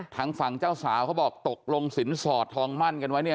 ทางฝั่งเจ้าสาวเขาบอกตกลงสินสอดทองมั่นกันไว้เนี่ย